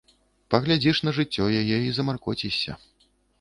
Паглядзіш на жыццё яе і замаркоцішся.